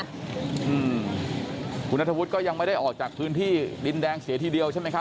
อืมคุณนัทธวุฒิก็ยังไม่ได้ออกจากพื้นที่ดินแดงเสียทีเดียวใช่ไหมครับ